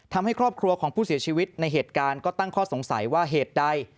ทำให้ครอบครัวของผู้เสียชีวิตในเหตุการณ์ก็ตั้งข้อสงสัยว่าเหตุใด